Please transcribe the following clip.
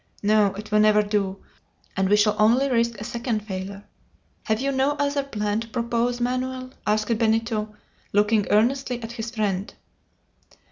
No; it will never do, and we shall only risk a second failure." "Have you no other plan to propose, Manoel?" asked Benito, looking earnestly at his friend.